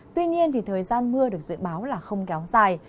tuy nhiên thời gian mưa được dự báo là không kéo dài